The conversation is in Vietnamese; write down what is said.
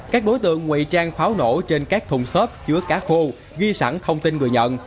các đối tượng nguy trang pháo nổ trên các thùng xốp chứa cá khô ghi sẵn thông tin người nhận